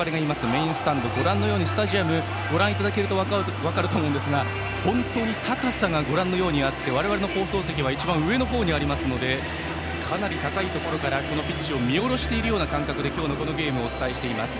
メインスタンドスタジアム、ご覧いただけると分かると思いますが本当に高さがあって我々の放送席は一番上の方にありますのでかなり高いところからピッチを見下ろしているような感覚で今日のゲームを伝えています。